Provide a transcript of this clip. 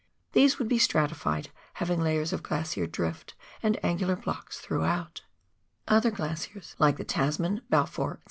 These would be stratified, having layers of glacier drift and angular blocks throughout. Other glaciers, like the Tasman, Balfour, &c.